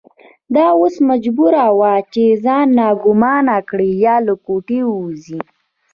دا اوس مجبوره وه چې ځان ناګومانه کړي یا له کوټې ووځي.